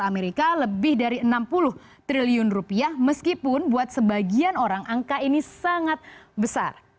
amerika lebih dari enam puluh triliun rupiah meskipun buat sebagian orang angka ini sangat besar